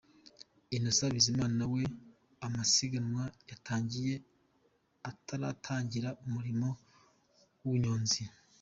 Innocent Bizimana we amasiganwa yatangiye ataratangira umurimo w’ubunyonzi.